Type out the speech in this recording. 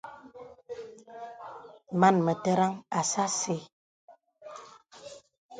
Mān mə tə̀rən asà asə́.